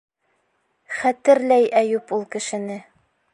Хәтерләй Әйүп ул кешене.